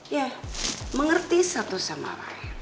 ya mengerti satu sama lain